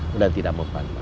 sudah tidak mempunyai